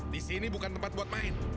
di sini bukan tempat buat main